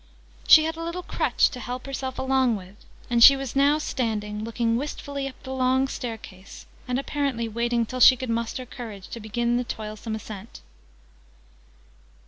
She had a little crutch to help herself along with: and she was now standing, looking wistfully up the long staircase, and apparently waiting till she could muster courage to begin the toilsome ascent.